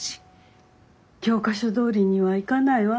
教科書どおりにはいかないわ。